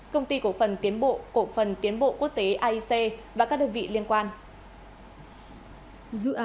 công ty cổ phần tiến bộ cổ phần tiến bộ quốc tế aic và các đơn vị liên quan